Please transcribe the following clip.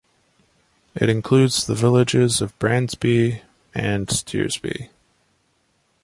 It includes the villages of Brandsby and Stearsby.